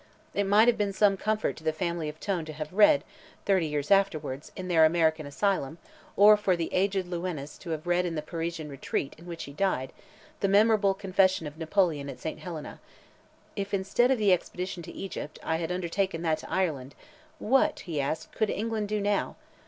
It might have been some comfort to the family of Tone to have read, thirty years afterwards, in their American asylum, or for the aged Lewines to have read in the Parisian retreat in which he died, the memorable confession of Napoleon at Saint Helena: "If instead of the expedition to Egypt, I had undertaken that to Ireland, what," he asked, "could England do now?